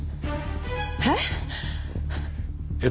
えっ！？